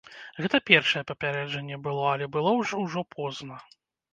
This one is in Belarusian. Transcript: Гэта першае папярэджанне было, але было ж ужо позна.